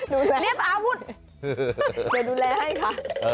เดี๋ยวดูแลให้ค่ะ